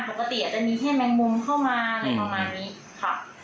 ปกติอาจจะมีแค่แมงมุมเข้ามาอะไรประมาณนี้ค่ะ